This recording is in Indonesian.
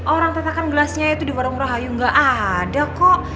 orang tatakan gelasnya itu di warung rahayu nggak ada kok